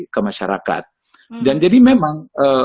ke masyarakat dan jadi memang